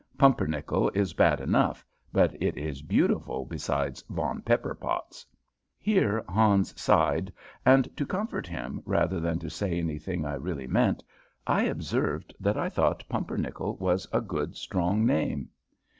Pumpernickel is bad enough, but it is beautiful beside Von Pepperpotz." Here Hans sighed, and to comfort him, rather than to say anything I really meant, I observed that I thought Pumpernickel was a good strong name.